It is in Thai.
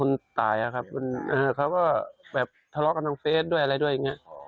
คุณตายอะครับเขาก็แบบทะเลาะกันทางเฟสด้วยอะไรด้วยอย่างเงี้ย